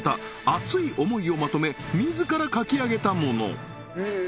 熱い思いをまとめ自ら書き上げたもの